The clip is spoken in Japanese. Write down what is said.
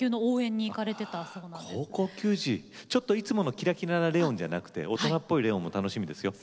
ちょっといつものキラキラなレオンじゃなくて大人っぽいレオンも楽しみですよ。